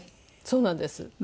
そうなんです。